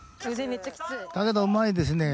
だけど上手いですね